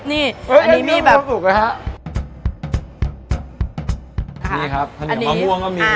เฮ่ยอันนี้ที่รรมศักดิ์สุขนะ